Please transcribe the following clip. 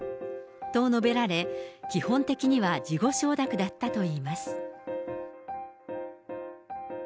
と述べられ、基本的には事後承諾だったといいます。